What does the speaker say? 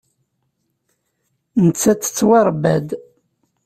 Nettat tettwaṛebba-d.